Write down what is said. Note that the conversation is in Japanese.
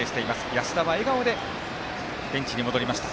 安田は笑顔でベンチに戻りました。